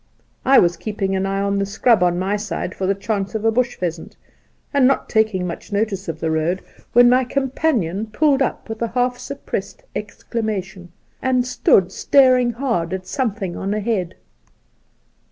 I was keeping an eye on the scrub on my side for the chance of a bush pheasant, and not taking much notice of the road, when my Soltke 35 companion pulled up with a half suppressed ex clamation, and stood staring hard at. something on ahead.